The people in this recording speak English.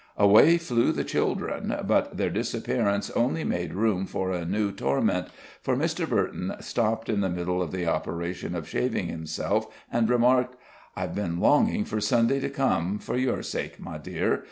Away flew the children, but their disappearance only made room for a new torment, for Mr. Burton stopped in the middle of the operation of shaving himself, and remarked: "I've been longing for Sunday to come, for your sake, my dear.